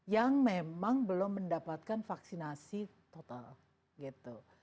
yang memang belum mendapatkan vaksinasi total gitu